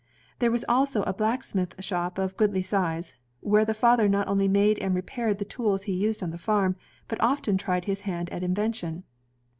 There was also a black smith shop of goodly size, where the father not only made and repaired the tools used on the farm, but often tried his hand at invention.